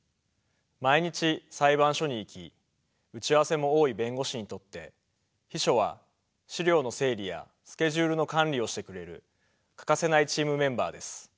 毎日裁判所に行き打ち合わせも多い弁護士にとって秘書は資料の整理やスケジュールの管理をしてくれる欠かせないチームメンバーです。